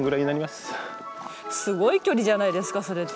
すごい距離じゃないですかそれって。